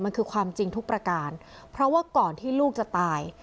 มันคือความจริงทุกประการเพราะว่าก่อนที่ลูกจะตาย